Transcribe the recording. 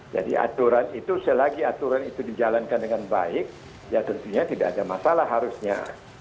jadi aturan itu selagi aturan itu dijalankan dengan baik ya tentunya tidak ada masalah harusnya